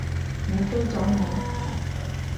你飛咗未？